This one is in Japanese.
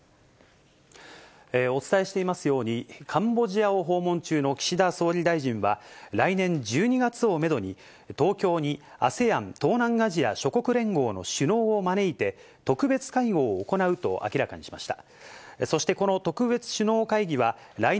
お伝えしていますように、カンボジアを訪問中の岸田総理大臣は、来年１２月をメドに、東京にＡＳＥＡＮ・東南アジア諸国連合の首脳を招いて、特別会合を行うと明らかにしました。